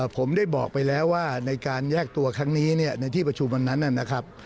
ผมได้บอกไปแล้วว่าในการแยกตัวครั้งนี้ในที่ประชุมวันนั้นนะครับ